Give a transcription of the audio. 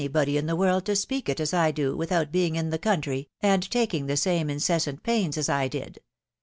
body in the world to speak it as I do without being in the country, and taking the same incessant pains as I did.